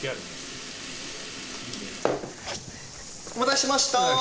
お待たせしました！